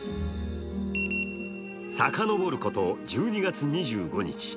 さかのぼること１２月２５日。